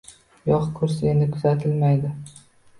Yo'q Kurs endi kuzatilmaydi